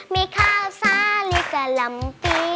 มีข้าวสาลีกะลำตี